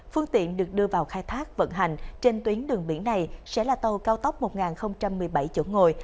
phương tiện được đưa vào khai thác vận hành trên tuyến đường biển này sẽ là tàu cao tốc một nghìn một mươi bảy chỗ ngồi